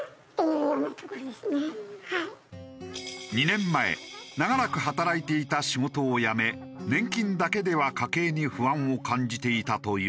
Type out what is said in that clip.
２年前長らく働いていた仕事を辞め年金だけでは家計に不安を感じていたというＡさん。